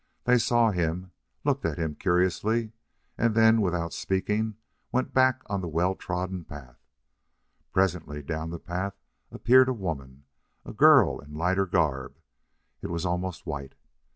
They saw him, looked at him curiously, and then, without speaking, went back on the well trodden path. Presently down the path appeared a woman a girl in lighter garb. It was almost white.